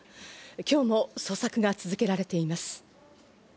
今日も捜索が続けられています。